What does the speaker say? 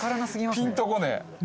ピンとこねえ。